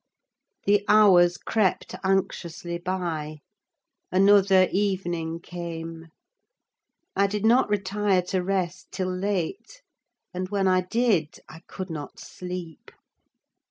The hours crept anxiously by: another evening came. I did not retire to rest till late, and when I did, I could not sleep.